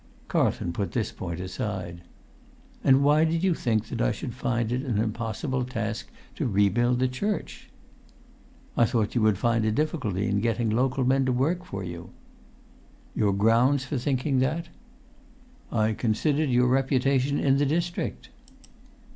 Carlton put this point aside. "And why did you think that I should find it an impossible task to rebuild the church?" "I thought you would find a difficulty in getting local men to work for you." "Your grounds for thinking that?" "I considered your reputation in the district."